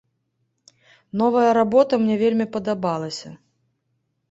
Новая работа мне вельмі падабалася.